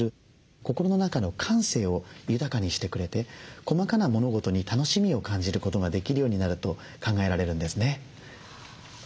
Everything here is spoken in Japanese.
心の中の感性を豊かにしてくれて細かな物事に楽しみを感じることができるようになると考えられるんですね。